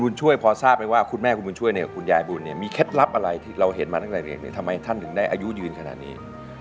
ช่วยพอทราบไหมว่าคุณแม่คุณบุญช่วยเนี่ยกับคุณยายบุญเนี่ยมีเคล็ดลับอะไรที่เราเห็นมาตั้งแต่เด็กเนี่ยทำไมท่านถึงได้อายุยืนขนาดนี้